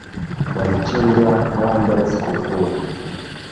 Walichinja ng'ombe sikukuu